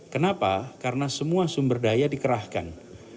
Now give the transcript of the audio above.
kenapa karena semua sumber daya dikerahkan